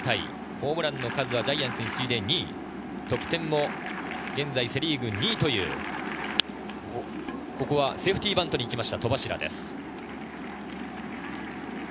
タイ、ホームランの数はジャイアンツ１位、次いで２位、得点も現在セ・リーグ２位という、ここはセーフティーバントにいきました戸柱です。